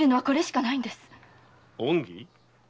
恩義？